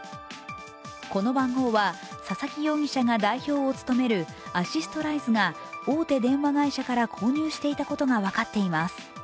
この番号は佐々木容疑者が代表を務めるアシストライズが大手電話会社から購入していたことが分かっています。